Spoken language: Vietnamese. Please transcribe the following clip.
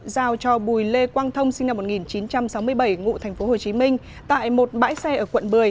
giao cho bùi lê quang thông sinh năm một nghìn chín trăm sáu mươi bảy ngụ tp hcm tại một bãi xe ở quận một mươi